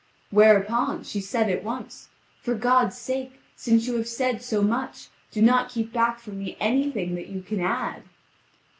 Whereupon, she said at once: "For God's sake, since you have said so much, do not keep back from me anything that you can add."